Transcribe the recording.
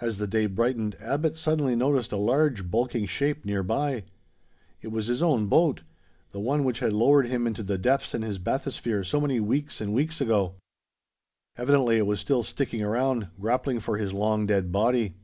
As the day brightened, Abbot suddenly noticed a large bulking shape nearby. It was his own boat! the one which had lowered him into the depths in his bathysphere so many weeks and weeks ago! Evidently it was still sticking around, grappling for his long dead body.